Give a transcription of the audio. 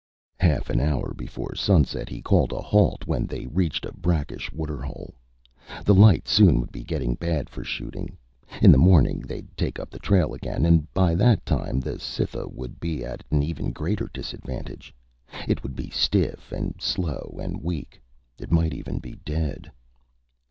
Half an hour before sunset, he called a halt when they reached a brackish waterhole. The light soon would be getting bad for shooting. In the morning, they'd take up the trail again, and by that time the Cytha would be at an even greater disadvantage. It would be stiff and slow and weak. It might be even dead.